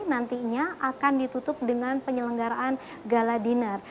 nantinya akan ditutup dengan penyelenggaraan gala dinner